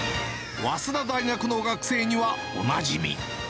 早稲田大学の学生にはおなじみ。